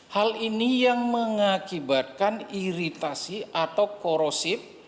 hal ini yang mengakibatkan iritasi atau korosip